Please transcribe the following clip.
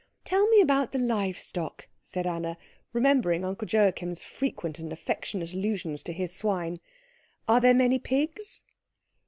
"Tell me about the livestock," said Anna, remembering Uncle Joachim's frequent and affectionate allusions to his swine. "Are there many pigs?"